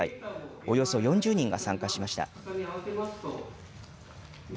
およそ４０人が参加しました。